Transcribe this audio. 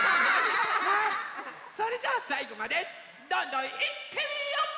それじゃさいごまでどんどんいってみよっ！